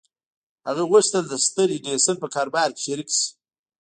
هغه غوښتل د ستر ايډېسن په کاروبار کې شريک شي.